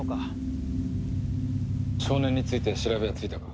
少年について調べはついたか？